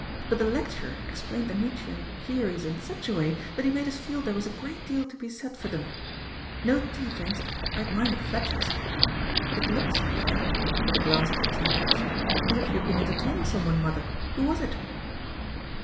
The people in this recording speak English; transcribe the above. But the lecturer explained the Nietzschean theories in such a way that he made us feel there was a great deal to be said for them.... No tea, thanks. I had mine at the Fletchers. It looks," she added, with a glance at the tea cups, "as if you had been entertaining some one, Mother who was it?"